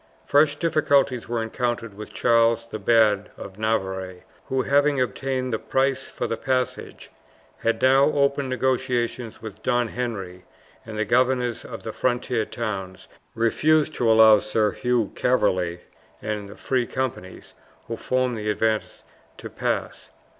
Fresh difficulties were encountered with Charles the Bad, of Navarre, who, having obtained the price for the passage, had now opened negotiations with Don Henry, and the governors of the frontier towns refused to allow Sir Hugh Calverley and the free companies, who formed the advance, to pass.